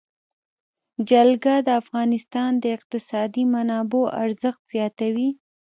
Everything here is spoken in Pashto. جلګه د افغانستان د اقتصادي منابعو ارزښت زیاتوي.